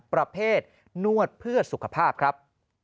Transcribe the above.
ประเภทนวดเพื่อสุขภาพครับ